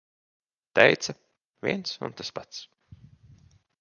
Teica - viens un tas pats.